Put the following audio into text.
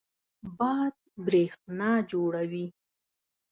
باد برېښنا جوړوي.